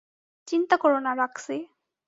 চিন্তা কোরো না, রক্সি।